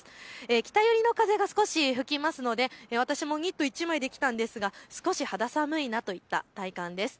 北寄りの風が少し吹くので私、ニット１枚で来たんですが少し肌寒いなといった体感です。